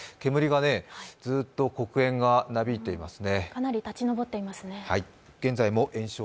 ずっと黒煙がなびいていますね。